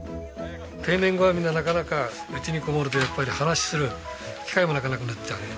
定年後はみんななかなか家にこもるとやっぱり話しする機会もなくなっちゃう。